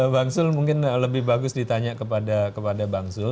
bang zul mungkin lebih bagus ditanya kepada bang zul